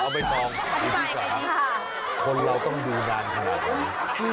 เอาไปต้องไอ้พี่สามคนเราต้องดูนานขนาดไหน